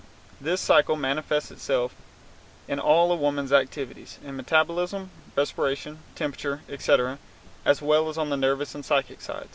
This cycle manifests itself in all a woman's activities, in metabolism, respiration, temperature, etc., as well as on the nervous and psychic side.